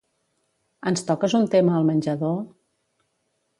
Ens toques un tema al menjador?